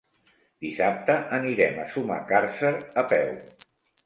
Dissabte anirem a Sumacàrcer a peu.